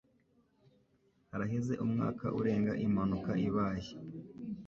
Haraheze umwaka urenga impanuka ibaye.